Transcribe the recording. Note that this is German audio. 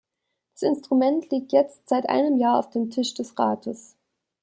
Das Instrument liegt jetzt seit einem Jahr auf dem Tisch des Rates.